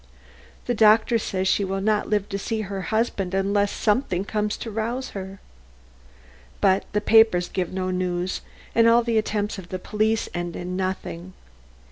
The doctor says she will not live to see her husband, unless something comes to rouse her. But the papers give no news, and all the attempts of the police end in nothing.